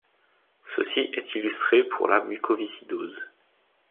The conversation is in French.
Ceci est illustré pour la mucoviscidose.